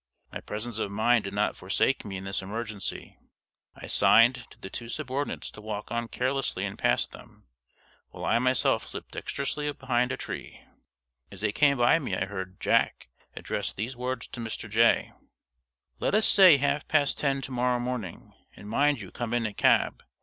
My presence of mind did not forsake me in this emergency. I signed to the two subordinates to walk on carelessly and pass them, while I myself slipped dexterously behind a tree. As they came by me, I heard "Jack" address these words to Mr. Jay: "Let us say half past ten to morrow morning. And mind you come in a cab.